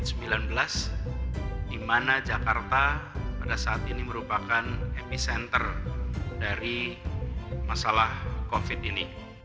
di mana jakarta pada saat ini merupakan epicenter dari masalah covid ini